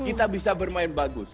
kita bisa bermain bagus